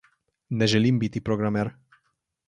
Ne želim biti programer.